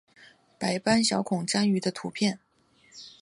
白斑小孔蟾鱼的图片